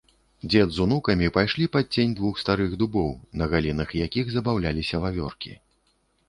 Дзед з унукамі пайшлі пад цень двух старых дубоў, на галінах якіх забаўляліся вавёркі.